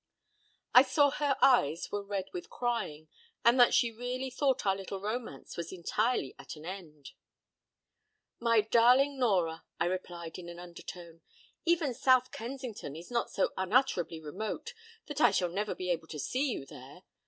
I saw her eyes were red with crying, and that she really thought our little romance was entirely at an end. "My darling Nora," I replied in an undertone, "even South Kensington is not so unutterably remote that I shall never be able to see you there.